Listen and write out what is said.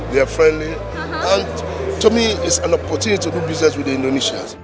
dan menurut saya ini adalah kesempatan untuk melakukan bisnis yang baik untuk orang indonesia